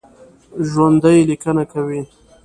ژوندي لیکنه کوي